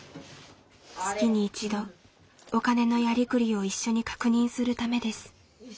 月に一度お金のやりくりを一緒に確認するためです。